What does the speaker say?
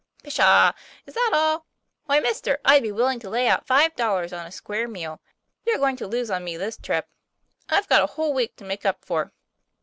" Pshaw! Is that all ? Why, mister, I'd be willing to lay out five dollars on a square meal. You're going to lose on me this trip. I've got a whole week to make up for."